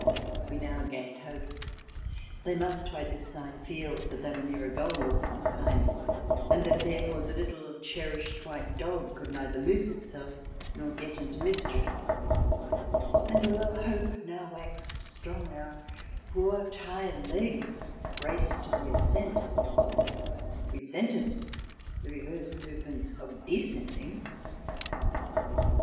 We now gained hope. They must, by this sign, feel that they were near a goal of some kind, and that therefore the little cherished white dog could neither lose itself nor getinto mischief And although hope now waxed strong, our poor tired legs, braced to the ascent, resented the reverse movements of descending.